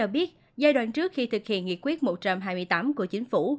biết giai đoạn trước khi thực hiện nghị quyết một trăm hai mươi tám của chính phủ